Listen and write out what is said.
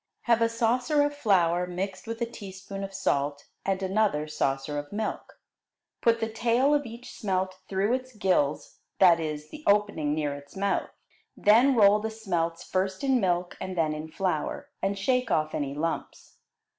Have a saucer of flour mixed with a teaspoonful of salt, and another saucer of milk. Put the tail of each smelt through its gills that is, the opening near its mouth. Then roll the smelts first in milk and then in flour, and shake off any lumps.